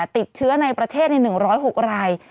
ติดเชื้อในประเทศใน๑๐๖ราย